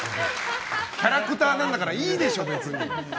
キャラクターなんだからいいでしょ、別に。